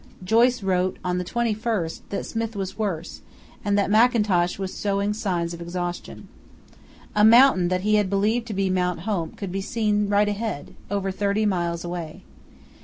Joyce wrote on the 21st that Smith was worse, and that Mackintosh was showing signs of exhaustion. A mountain that he believed to be Mount Hope could be seen right ahead, over thirty miles away.